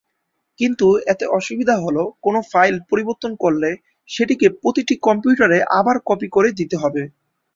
কিন্তু এতে অসুবিধা হলো কোনো ফাইল পরিবর্তন করলে সেটিকে প্রতিটি কম্পিউটারে আবার কপি করে দিতে হবে।